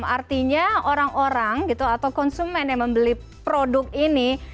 artinya orang orang gitu atau konsumen yang membeli produk ini